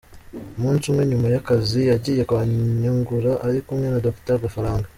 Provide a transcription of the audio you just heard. Umunsi umwe nyuma y’akazi yagiye kwa Nyungura ari kumwe na Docteur Gafaranga.